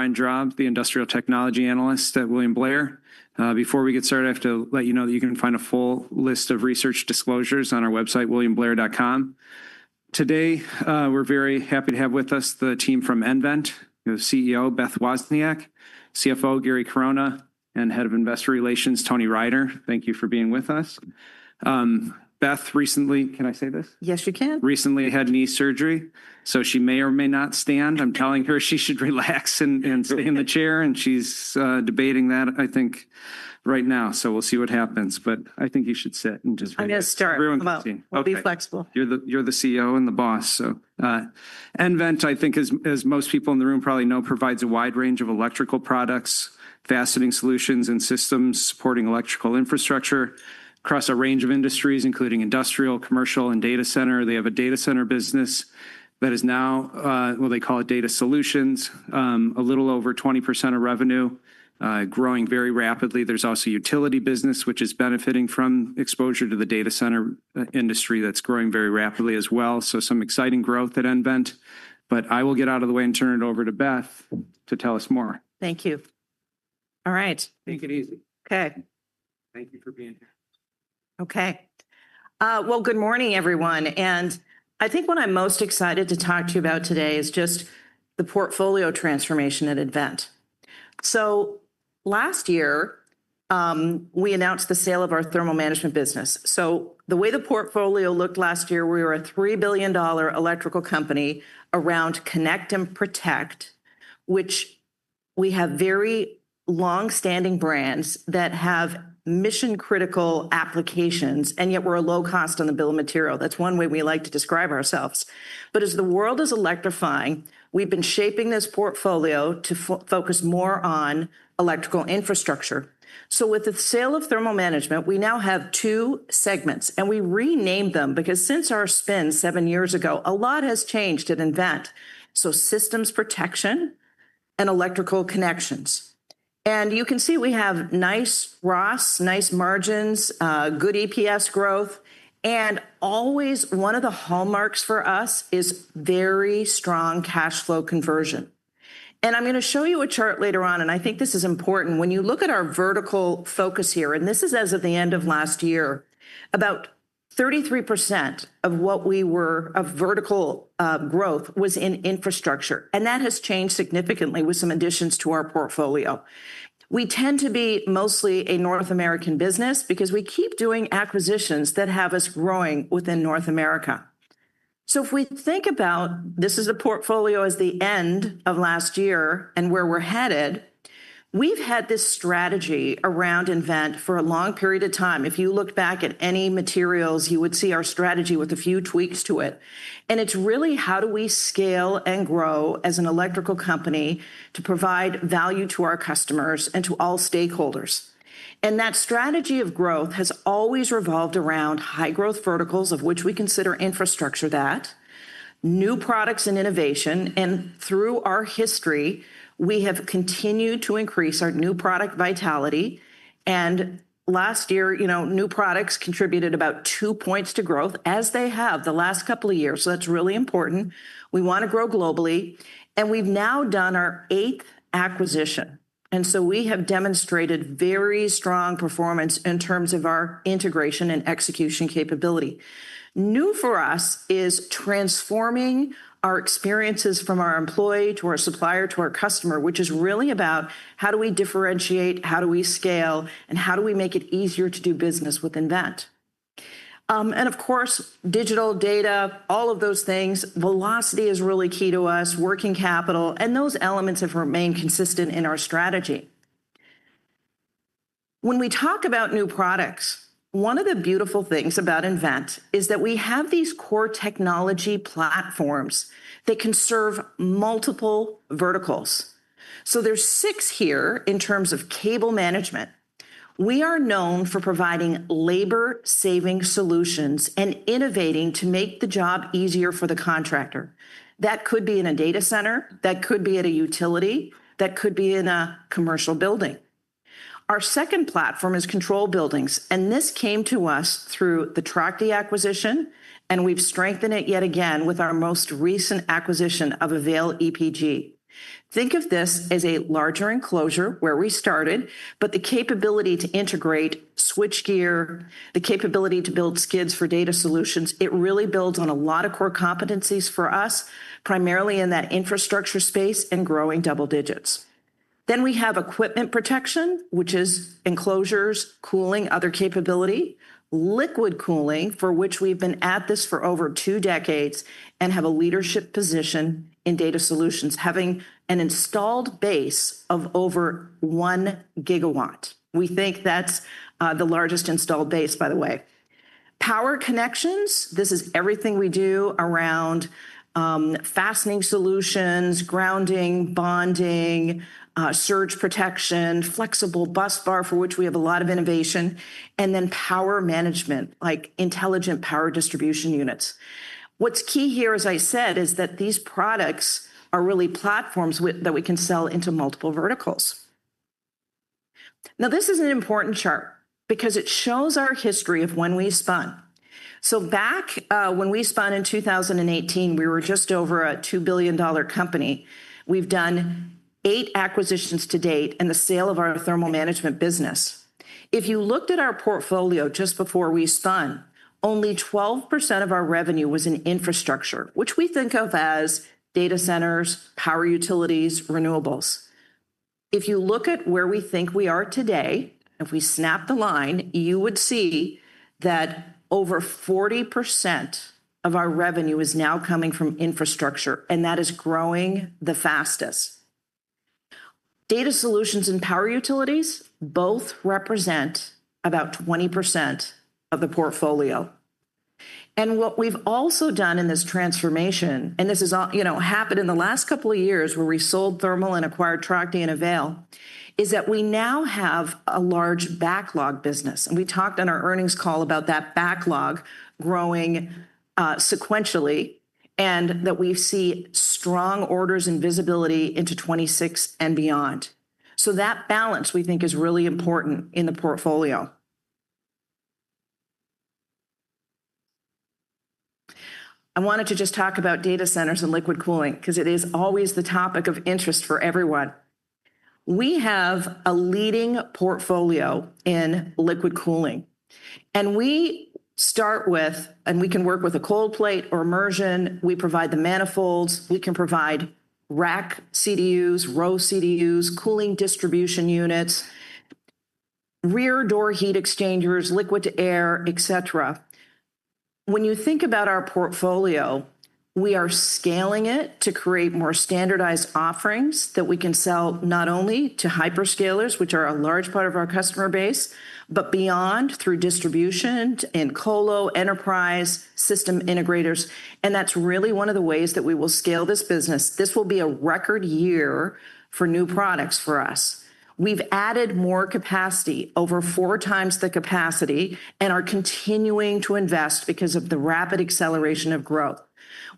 I'm John, the Industrial Technology Analyst at William Blair. Before we get started, I have to let you know that you can find a full list of research disclosures on our website, williamblair.com. Today, we're very happy to have with us the team from nVent: CEO, Beth Wozniak, CFO, Gary Corona, and Head of Investor Relations, Tony Reynders. Thank you for being with us. Beth recently—can I say this? Yes, you can. Recently had knee surgery, so she may or may not stand. I'm telling her she should relax and stay in the chair, and she's debating that, I think, right now. We'll see what happens. I think you should sit and just relax. I'm going to start. I'll be flexible. You're the CEO and the boss. So nVent, I think, as most people in the room probably know, provides a wide range of electrical products, fastening solutions and systems supporting electrical infrastructure across a range of industries, including industrial, commercial, and data center. They have a data center business that is now, well, they call it data solutions, a little over 20% of revenue, growing very rapidly. There's also a utility business which is benefiting from exposure to the data center industry that's growing very rapidly as well. Some exciting growth at nVent. I will get out of the way and turn it over to Beth to tell us more. Thank you. All right. Take it easy. Okay. Thank you for being here. Okay. Good morning, everyone. I think what I'm most excited to talk to you about today is just the portfolio transformation at nVent. Last year, we announced the sale of our thermal management business. The way the portfolio looked last year, we were a $3 billion electrical company around connect and protect, which we have very longstanding brands that have mission-critical applications, and yet we're a low cost on the bill of material. That's one way we like to describe ourselves. As the world is electrifying, we've been shaping this portfolio to focus more on electrical infrastructure. With the sale of thermal management, we now have two segments, and we renamed them because since our spin seven years ago, a lot has changed at nVent. Systems protection and electrical connections. You can see we have nice ROS, nice margins, good EPS growth. One of the hallmarks for us is very strong cash flow conversion. I'm going to show you a chart later on, and I think this is important. When you look at our vertical focus here, and this is as of the end of last year, about 33% of what we were of vertical growth was in infrastructure. That has changed significantly with some additions to our portfolio. We tend to be mostly a North American business because we keep doing acquisitions that have us growing within North America. If we think about this as a portfolio as the end of last year and where we're headed, we've had this strategy around nVent for a long period of time. If you look back at any materials, you would see our strategy with a few tweaks to it. It is really how do we scale and grow as an electrical company to provide value to our customers and to all stakeholders. That strategy of growth has always revolved around high growth verticals, of which we consider infrastructure, new products, and innovation. Through our history, we have continued to increase our new product vitality. Last year, new products contributed about two points to growth, as they have the last couple of years. That is really important. We want to grow globally. We have now done our eighth acquisition. We have demonstrated very strong performance in terms of our integration and execution capability. New for us is transforming our experiences from our employee to our supplier to our customer, which is really about how do we differentiate, how do we scale, and how do we make it easier to do business with nVent. Of course, digital data, all of those things, velocity is really key to us, working capital, and those elements have remained consistent in our strategy. When we talk about new products, one of the beautiful things about nVent is that we have these core technology platforms that can serve multiple verticals. There are six here in terms of cable management. We are known for providing labor-saving solutions and innovating to make the job easier for the contractor. That could be in a data center, that could be at a utility, that could be in a commercial building. Our second platform is control buildings. This came to us through the Tracti acquisition, and we have strengthened it yet again with our most recent acquisition of AVAIL EPG. Think of this as a larger enclosure where we started, but the capability to integrate switchgear, the capability to build skids for data solutions, it really builds on a lot of core competencies for us, primarily in that infrastructure space and growing double digits. Then we have equipment protection, which is enclosures, cooling, other capability, liquid cooling, for which we've been at this for over two decades and have a leadership position in data solutions, having an installed base of over 1 GW. We think that's the largest installed base, by the way. Power connections, this is everything we do around fastening solutions, grounding, bonding, surge protection, flexible bus bar, for which we have a lot of innovation, and then power management, like intelligent power distribution units. What's key here, as I said, is that these products are really platforms that we can sell into multiple verticals. Now, this is an important chart because it shows our history of when we spun. Back when we spun in 2018, we were just over a $2 billion company. We've done eight acquisitions to date and the sale of our thermal management business. If you looked at our portfolio just before we spun, only 12% of our revenue was in infrastructure, which we think of as data centers, power utilities, renewables. If you look at where we think we are today, if we snap the line, you would see that over 40% of our revenue is now coming from infrastructure, and that is growing the fastest. Data solutions and power utilities both represent about 20% of the portfolio. What we've also done in this transformation, and this has happened in the last couple of years where we sold Thermal and acquired Tracti and AVAIL, is that we now have a large backlog business. We talked on our earnings call about that backlog growing sequentially and that we see strong orders and visibility into 2026 and beyond. That balance, we think, is really important in the portfolio. I wanted to just talk about data centers and liquid cooling because it is always the topic of interest for everyone. We have a leading portfolio in liquid cooling. We start with, and we can work with a cold plate or immersion. We provide the manifolds. We can provide rack CDUs, row CDUs, cooling distribution units, rear door heat exchangers, liquid-to-air, et cetera. When you think about our portfolio, we are scaling it to create more standardized offerings that we can sell not only to hyperscalers, which are a large part of our customer base, but beyond through distribution and colo, enterprise system integrators. That is really one of the ways that we will scale this business. This will be a record year for new products for us. We have added more capacity, over four times the capacity, and are continuing to invest because of the rapid acceleration of growth.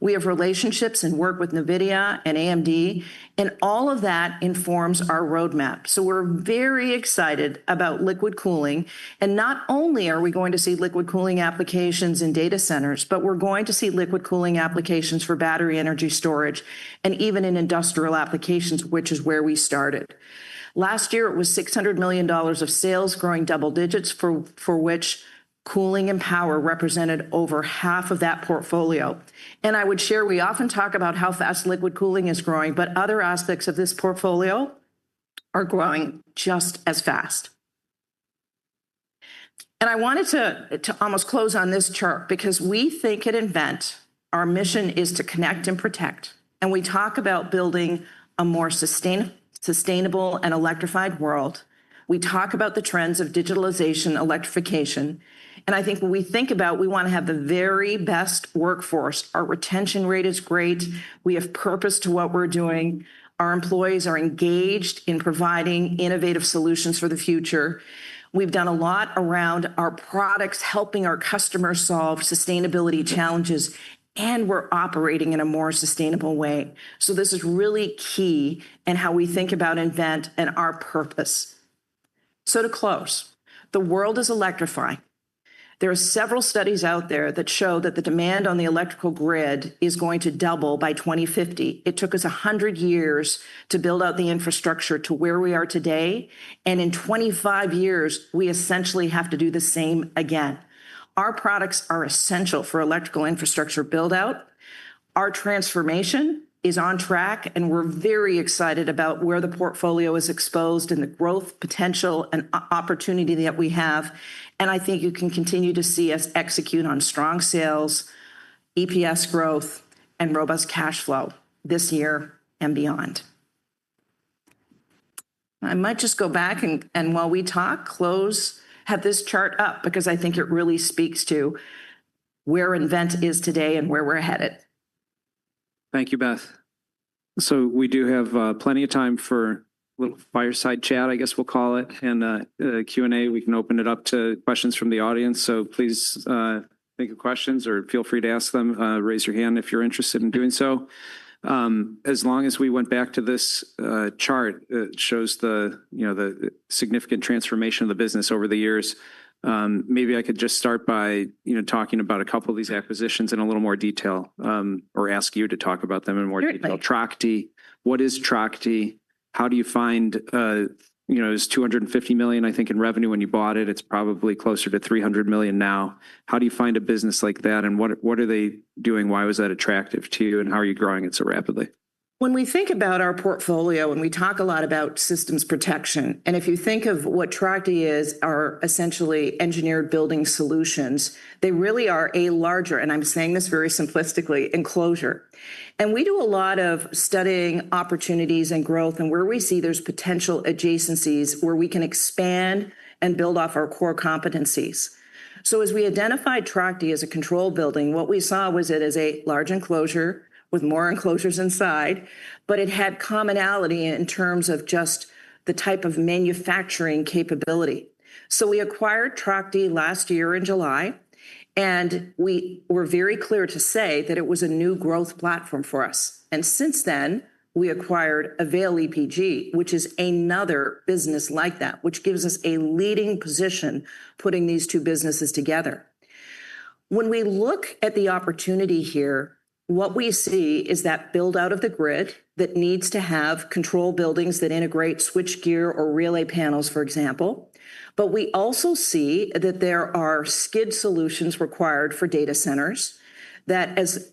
We have relationships and work with NVIDIA and AMD, and all of that informs our roadmap. We are very excited about liquid cooling. Not only are we going to see liquid cooling applications in data centers, but we are going to see liquid cooling applications for battery energy storage and even in industrial applications, which is where we started. Last year, it was $600 million of sales growing double digits, for which cooling and power represented over half of that portfolio. I would share we often talk about how fast liquid cooling is growing, but other aspects of this portfolio are growing just as fast. I wanted to almost close on this chart because we think at nVent, our mission is to connect and protect. We talk about building a more sustainable and electrified world. We talk about the trends of digitalization, electrification. I think when we think about, we want to have the very best workforce. Our retention rate is great. We have purpose to what we're doing. Our employees are engaged in providing innovative solutions for the future. We've done a lot around our products, helping our customers solve sustainability challenges, and we're operating in a more sustainable way. This is really key in how we think about nVent and our purpose. To close, the world is electrifying. There are several studies out there that show that the demand on the electrical grid is going to double by 2050. It took us 100 years to build out the infrastructure to where we are today. In 25 years, we essentially have to do the same again. Our products are essential for electrical infrastructure buildout. Our transformation is on track, and we're very excited about where the portfolio is exposed and the growth potential and opportunity that we have. I think you can continue to see us execute on strong sales, EPS growth, and robust cash flow this year and beyond. I might just go back and while we talk, close, have this chart up because I think it really speaks to where nVent is today and where we're headed. Thank you, Beth. We do have plenty of time for a little fireside chat, I guess we'll call it, and Q&A. We can open it up to questions from the audience. Please think of questions or feel free to ask them. Raise your hand if you're interested in doing so. As long as we went back to this chart, it shows the significant transformation of the business over the years. Maybe I could just start by talking about a couple of these acquisitions in a little more detail or ask you to talk about them in more detail. Tracti, what is Tracti? How do you find, it was $250 million, I think, in revenue when you bought it. It's probably closer to $300 million now. How do you find a business like that? And what are they doing? Why was that attractive to you? How are you growing it so rapidly? When we think about our portfolio and we talk a lot about systems protection, and if you think of what Tracti is, are essentially engineered building solutions, they really are a larger, and I'm saying this very simplistically, enclosure. We do a lot of studying opportunities and growth and where we see there's potential adjacencies where we can expand and build off our core competencies. As we identified Tracti as a control building, what we saw was it as a large enclosure with more enclosures inside, but it had commonality in terms of just the type of manufacturing capability. We acquired Tracti last year in July, and we were very clear to say that it was a new growth platform for us. Since then, we acquired AVAIL EPG, which is another business like that, which gives us a leading position putting these two businesses together. When we look at the opportunity here, what we see is that buildout of the grid that needs to have control buildings that integrate switchgear or relay panels, for example. We also see that there are skid solutions required for data centers that, as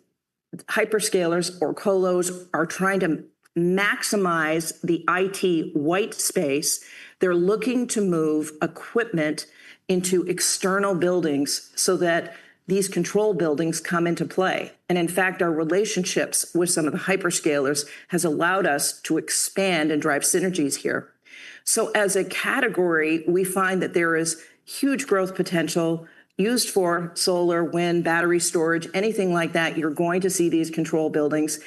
hyperscalers or colos are trying to maximize the IT white space, they're looking to move equipment into external buildings so that these control buildings come into play. In fact, our relationships with some of the hyperscalers have allowed us to expand and drive synergies here. As a category, we find that there is huge growth potential used for solar, wind, battery storage, anything like that. You're going to see these control buildings.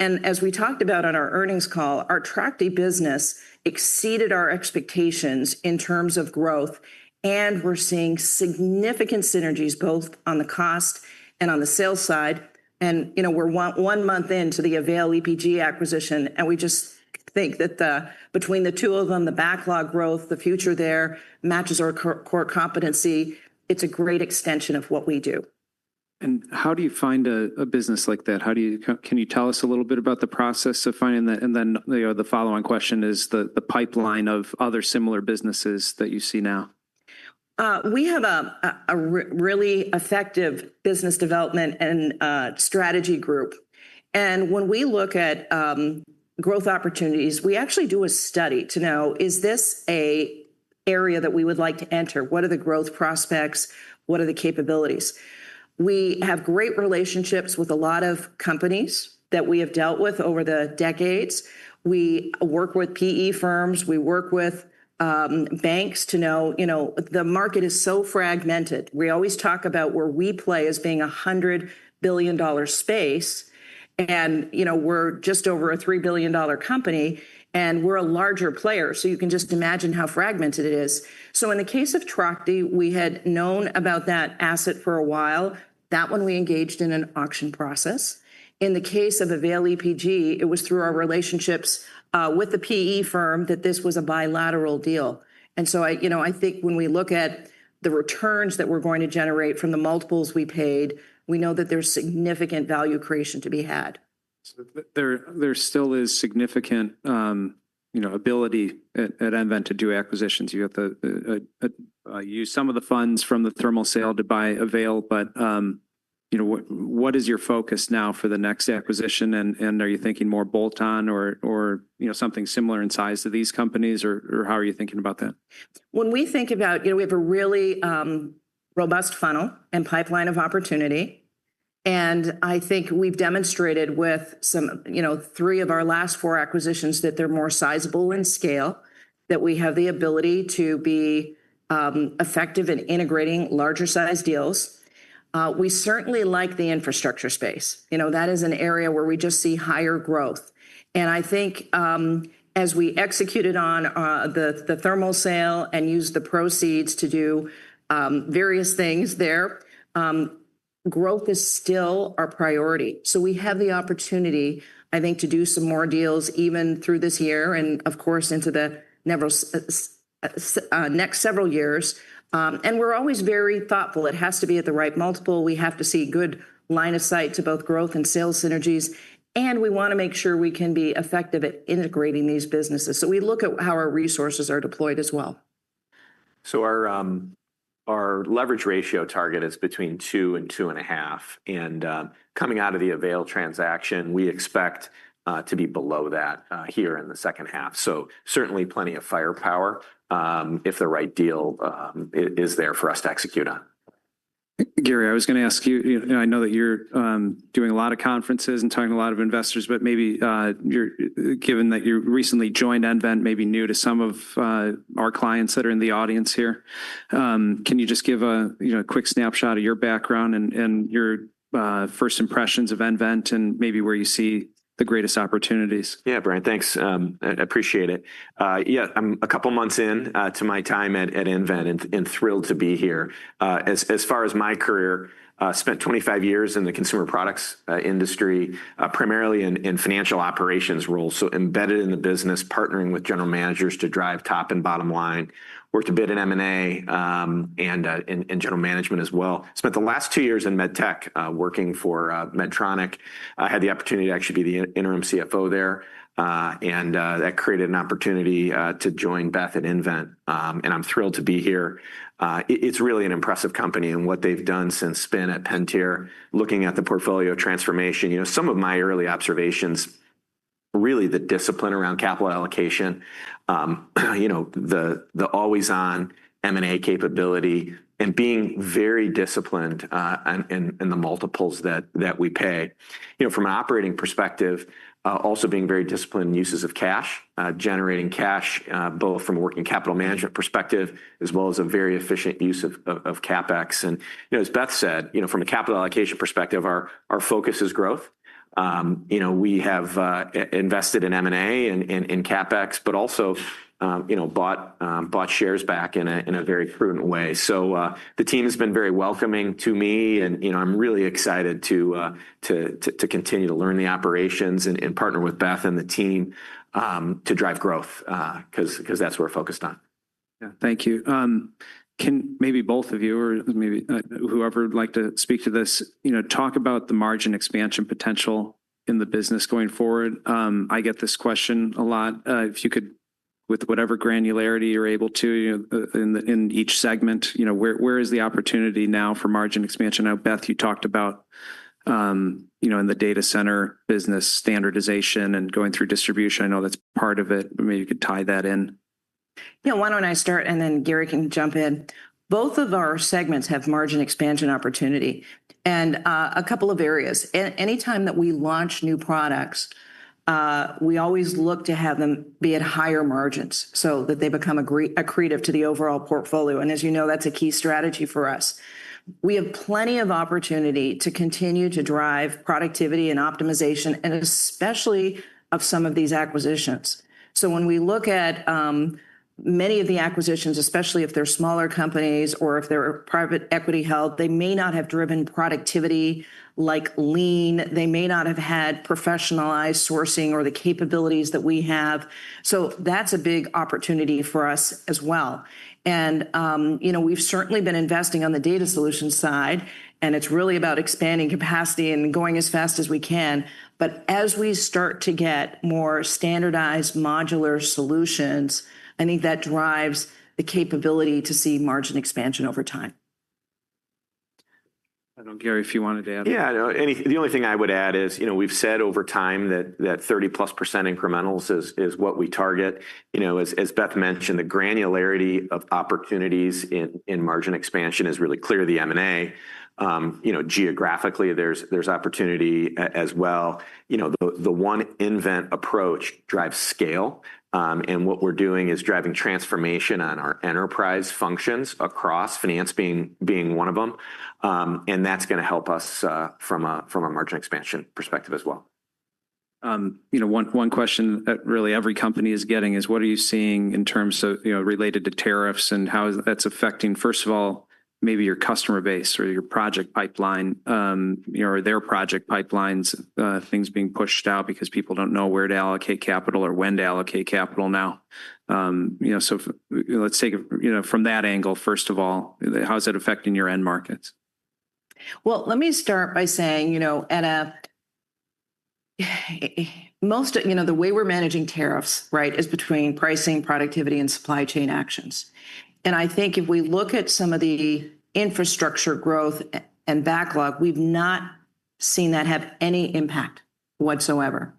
As we talked about on our earnings call, our Tracti business exceeded our expectations in terms of growth, and we're seeing significant synergies both on the cost and on the sales side. We're one month into the AVAIL EPG acquisition, and we just think that between the two of them, the backlog growth, the future there matches our core competency. It's a great extension of what we do. How do you find a business like that? Can you tell us a little bit about the process of finding that? The following question is the pipeline of other similar businesses that you see now. We have a really effective business development and strategy group. When we look at growth opportunities, we actually do a study to know, is this an area that we would like to enter? What are the growth prospects? What are the capabilities? We have great relationships with a lot of companies that we have dealt with over the decades. We work with PE firms. We work with banks to know the market is so fragmented. We always talk about where we play as being a $100 billion space, and we're just over a $3 billion company, and we're a larger player. You can just imagine how fragmented it is. In the case of Tracti, we had known about that asset for a while. That one, we engaged in an auction process. In the case of AVAIL EPG, it was through our relationships with the PE firm that this was a bilateral deal. I think when we look at the returns that we're going to generate from the multiples we paid, we know that there's significant value creation to be had. There still is significant ability at nVent to do acquisitions. You have to use some of the funds from the thermal sale to buy AVAIL, but what is your focus now for the next acquisition? Are you thinking more bolt-on or something similar in size to these companies, or how are you thinking about that? When we think about, we have a really robust funnel and pipeline of opportunity. I think we've demonstrated with three of our last four acquisitions that they're more sizable in scale, that we have the ability to be effective in integrating larger-sized deals. We certainly like the infrastructure space. That is an area where we just see higher growth. I think as we executed on the thermal sale and used the proceeds to do various things there, growth is still our priority. We have the opportunity, I think, to do some more deals even through this year and, of course, into the next several years. We're always very thoughtful. It has to be at the right multiple. We have to see good line of sight to both growth and sales synergies. We want to make sure we can be effective at integrating these businesses. We look at how our resources are deployed as well. Our leverage ratio target is between 2 and 2.5. Coming out of the AVAIL transaction, we expect to be below that here in the second half. Certainly plenty of firepower if the right deal is there for us to execute on. Gary, I was going to ask you, I know that you're doing a lot of conferences and talking to a lot of investors, but maybe given that you recently joined nVent, maybe new to some of our clients that are in the audience here, can you just give a quick snapshot of your background and your first impressions of nVent and maybe where you see the greatest opportunities? Yeah, Brian, thanks. I appreciate it. Yeah, I'm a couple of months into my time at nVent and thrilled to be here. As far as my career, I spent 25 years in the consumer products industry, primarily in financial operations roles. So embedded in the business, partnering with general managers to drive top and bottom line, worked a bit in M&A and general management as well. Spent the last two years in MedTech working for Medtronic. I had the opportunity to actually be the interim CFO there, and that created an opportunity to join Beth at nVent. I'm thrilled to be here. It's really an impressive company and what they've done since spin at Pentair, looking at the portfolio transformation. Some of my early observations, really the discipline around capital allocation, the always-on M&A capability, and being very disciplined in the multiples that we pay. From an operating perspective, also being very disciplined in uses of cash, generating cash both from a working capital management perspective as well as a very efficient use of CapEx. As Beth said, from a capital allocation perspective, our focus is growth. We have invested in M&A and CapEx, but also bought shares back in a very prudent way. The team has been very welcoming to me, and I'm really excited to continue to learn the operations and partner with Beth and the team to drive growth because that's what we're focused on. Yeah, thank you. Can maybe both of you or maybe whoever would like to speak to this talk about the margin expansion potential in the business going forward? I get this question a lot. If you could, with whatever granularity you're able to in each segment, where is the opportunity now for margin expansion? Beth, you talked about in the data center business standardization and going through distribution. I know that's part of it. Maybe you could tie that in. Yeah, why don't I start, and then Gary can jump in. Both of our segments have margin expansion opportunity in a couple of areas. Anytime that we launch new products, we always look to have them be at higher margins so that they become accretive to the overall portfolio. As you know, that's a key strategy for us. We have plenty of opportunity to continue to drive productivity and optimization, and especially of some of these acquisitions. When we look at many of the acquisitions, especially if they're smaller companies or if they're private equity held, they may not have driven productivity like lean. They may not have had professionalized sourcing or the capabilities that we have. That's a big opportunity for us as well. We have certainly been investing on the data solution side, and it is really about expanding capacity and going as fast as we can. As we start to get more standardized modular solutions, I think that drives the capability to see margin expansion over time. I don't know, Gary, if you wanted to add. Yeah, the only thing I would add is we've said over time that 30+% incrementals is what we target. As Beth mentioned, the granularity of opportunities in margin expansion is really clear to the M&A. Geographically, there's opportunity as well. The one nVent approach drives scale, and what we're doing is driving transformation on our enterprise functions across finance being one of them. That's going to help us from a margin expansion perspective as well. One question that really every company is getting is, what are you seeing in terms of related to tariffs and how that's affecting, first of all, maybe your customer base or your project pipeline or their project pipelines, things being pushed out because people do not know where to allocate capital or when to allocate capital now? Let's take it from that angle, first of all, how is that affecting your end markets? Let me start by saying the way we're managing tariffs is between pricing, productivity, and supply chain actions. I think if we look at some of the infrastructure growth and backlog, we've not seen that have any impact whatsoever.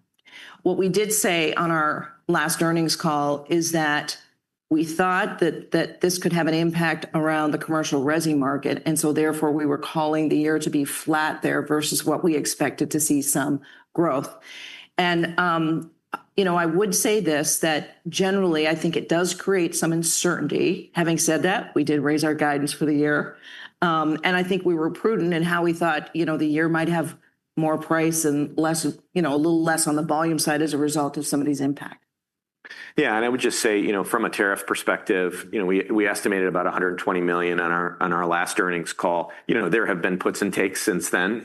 What we did say on our last earnings call is that we thought that this could have an impact around the commercial resin market, and so therefore we were calling the year to be flat there versus what we expected to see some growth. I would say this, that generally, I think it does create some uncertainty. Having said that, we did raise our guidance for the year. I think we were prudent in how we thought the year might have more price and a little less on the volume side as a result of some of these impacts. Yeah, and I would just say from a tariff perspective, we estimated about $120 million on our last earnings call. There have been puts and takes since then.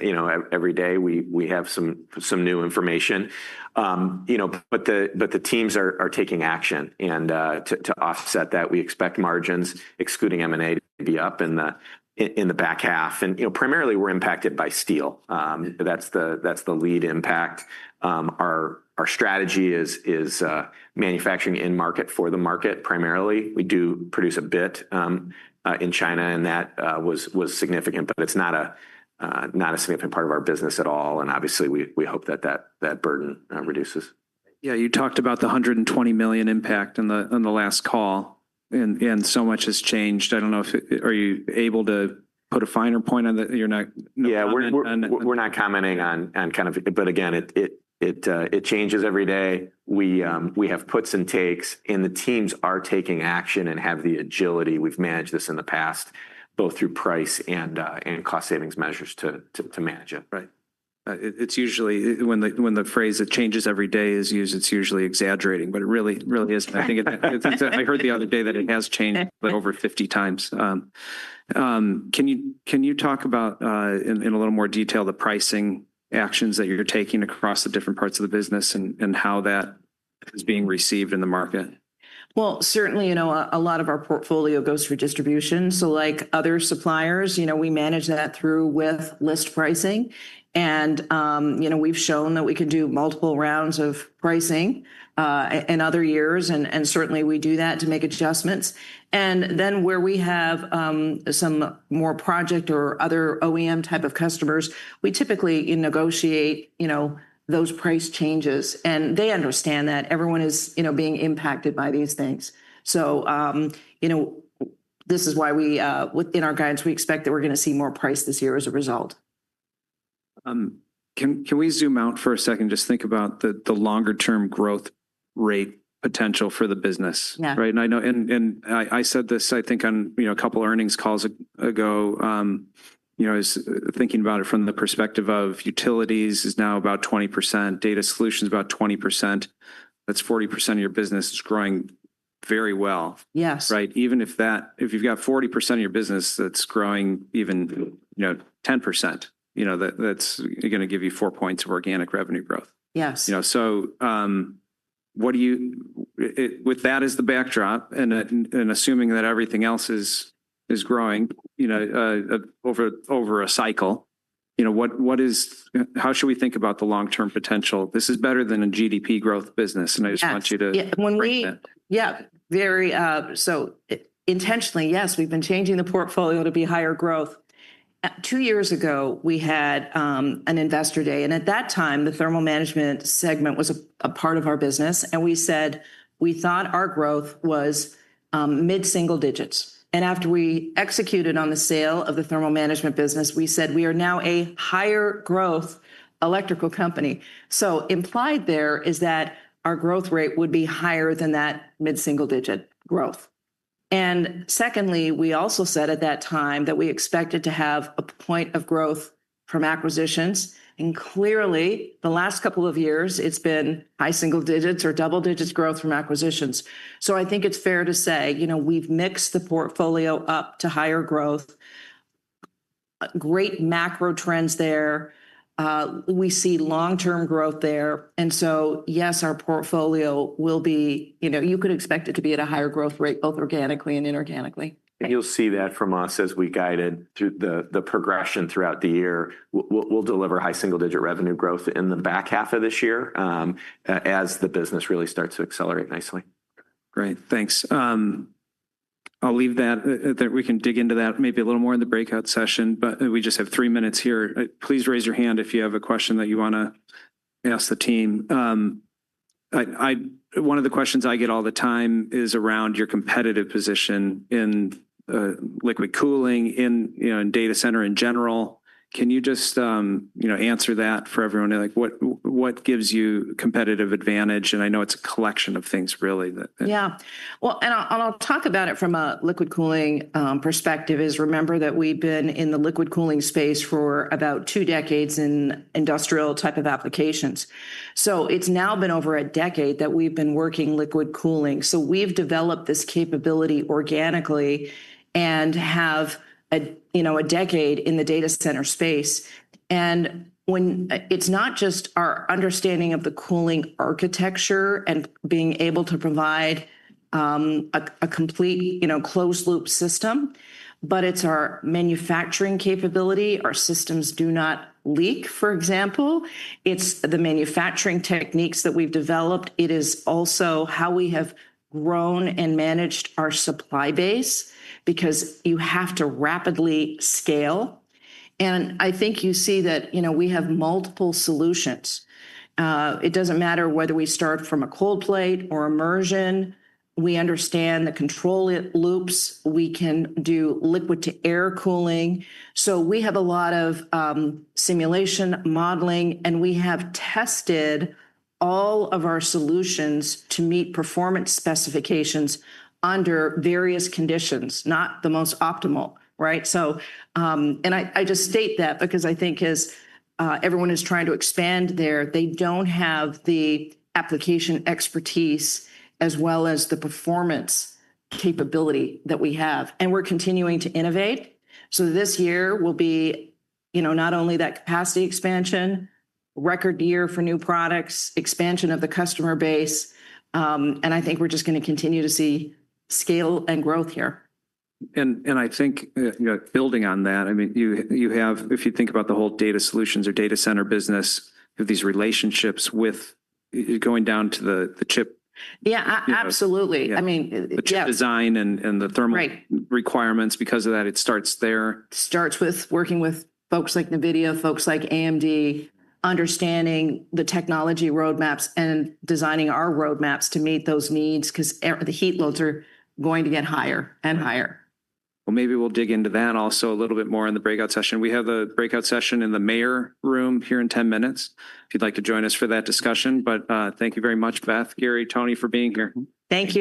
Every day we have some new information. The teams are taking action. To offset that, we expect margins, excluding M&A, to be up in the back half. Primarily, we're impacted by steel. That's the lead impact. Our strategy is manufacturing in market for the market primarily. We do produce a bit in China, and that was significant, but it's not a significant part of our business at all. Obviously, we hope that that burden reduces. Yeah, you talked about the $120 million impact on the last call, and so much has changed. I don't know, are you able to put a finer point on that? Yeah, we're not commenting on kind of, but again, it changes every day. We have puts and takes, and the teams are taking action and have the agility. We've managed this in the past, both through price and cost savings measures to manage it. Right. It's usually when the phrase "it changes every day" is used, it's usually exaggerating, but it really is. I think I heard the other day that it has changed over 50 times. Can you talk about, in a little more detail, the pricing actions that you're taking across the different parts of the business and how that is being received in the market? A lot of our portfolio goes through distribution. Like other suppliers, we manage that through with list pricing. We've shown that we can do multiple rounds of pricing in other years, and certainly we do that to make adjustments. Where we have some more project or other OEM type of customers, we typically negotiate those price changes. They understand that everyone is being impacted by these things. This is why in our guidance, we expect that we're going to see more price this year as a result. Can we zoom out for a second? Just think about the longer-term growth-rate potential for the business. I said this, I think, on a couple of earnings calls ago. Thinking about it from the perspective of utilities is now about 20%, data solutions about 20%. That is 40% of your business is growing very well. Yes. Right? Even if you've got 40% of your business that's growing even 10%, that's going to give you four points of organic revenue growth. Yes. With that as the backdrop, and assuming that everything else is growing over a cycle, how should we think about the long-term potential? This is better than a GDP growth business, and I just want you to. Yeah, very so intentionally, yes, we've been changing the portfolio to be higher growth. Two years ago, we had an investor day, and at that time, the thermal management segment was a part of our business. We said we thought our growth was mid-single digits. After we executed on the sale of the thermal management business, we said we are now a higher growth electrical company. Implied there is that our growth-rate would be higher than that mid-single digit growth. Secondly, we also said at that time that we expected to have a point of growth from acquisitions. Clearly, the last couple of years, it's been high single digits or double digits growth from acquisitions. I think it's fair to say we've mixed the portfolio up to higher growth. Great macro trends there. We see long-term growth there. Yes, our portfolio will be, you could expect it to be at a higher growth-rate both organically and inorganically. You'll see that from us as we guide it through the progression throughout the year. We'll deliver high single digit revenue growth in the back half of this year as the business really starts to accelerate nicely. Great, thanks. I'll leave that. We can dig into that maybe a little more in the breakout session, but we just have three minutes here. Please raise your hand if you have a question that you want to ask the team One of the questions I get all the time is around your competitive position in liquid cooling and data center in general. Can you just answer that for everyone? What gives you competitive advantage? I know it's a collection of things, really. Yeah. I'll talk about it from a liquid cooling perspective. Remember that we've been in the liquid cooling space for about two decades in industrial type of applications. It's now been over a decade that we've been working liquid cooling. We've developed this capability organically and have a decade in the data center space. It's not just our understanding of the cooling architecture and being able to provide a complete closed loop system, but it's our manufacturing capability. Our systems do not leak, for example. It's the manufacturing techniques that we've developed. It is also how we have grown and managed our supply base because you have to rapidly scale. I think you see that we have multiple solutions. It doesn't matter whether we start from a cold plate or immersion. We understand the control loops. We can do liquid to air cooling. We have a lot of simulation modeling, and we have tested all of our solutions to meet performance specifications under various conditions, not the most optimal. I just state that because I think as everyone is trying to expand there, they do not have the application expertise as well as the performance capability that we have. We are continuing to innovate. This year will be not only that capacity expansion, record year for new products, expansion of the customer base. I think we are just going to continue to see scale and growth here. I think building on that, I mean, if you think about the whole data solutions or data center business, you have these relationships with going down to the chip. Yeah, absolutely. The chip design and the thermal requirements because of that, it starts there. Starts with working with folks like NVIDIA, folks like AMD, understanding the technology roadmaps and designing our roadmaps to meet those needs because the heat loads are going to get higher and higher. Maybe we'll dig into that also a little bit more in the breakout session. We have a breakout session in the mayor room here in 10 minutes if you'd like to join us for that discussion. Thank you very much, Beth, Gary, Tony for being here. Thank you.